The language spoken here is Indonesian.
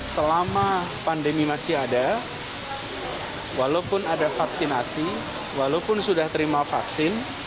selama pandemi masih ada walaupun ada vaksinasi walaupun sudah terima vaksin